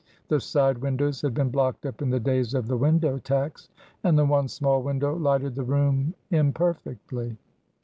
The side windows had been blocked up in the days of the window tax, and the one small window lighted the room imperfectly.